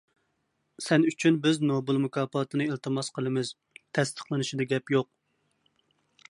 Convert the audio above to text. سەن ئۈچۈن بىز نوبېل مۇكاپاتىنى ئىلتىماس قىلىمىز، تەستىقلىنىشتا گەپ يوق.